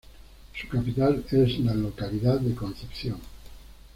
Su capital es la localidad de Concepción.